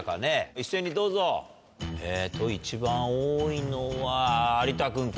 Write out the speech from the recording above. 一斉にどうぞえっと一番多いのは有田君か。